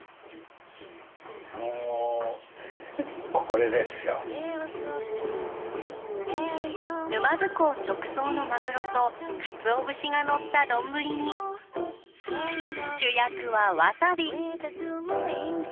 もう沼津港直送のマグロとかつお節がのった丼に主役はわさび。